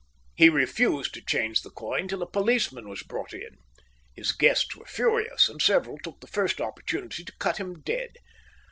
He refused to change the coin till a policeman was brought in. His guests were furious, and several took the first opportunity to cut him dead.